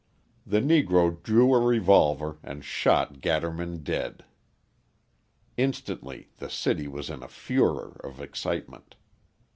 The Negro drew a revolver and shot Gatterman dead. Instantly the city was in a furor of excitement.